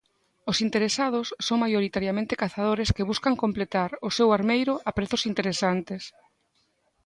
Os interesados son maioritariamente cazadores que buscan completar o seu armeiro a prezos interesantes.